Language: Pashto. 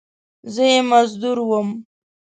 زه یې مزدور وم !